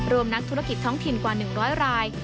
นักธุรกิจท้องถิ่นกว่า๑๐๐ราย